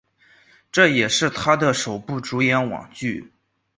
这也是他的首部主演网剧。